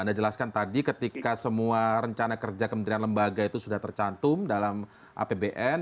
anda jelaskan tadi ketika semua rencana kerja kementerian lembaga itu sudah tercantum dalam apbn